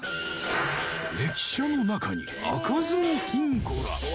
「駅舎の中に開かずの金庫が」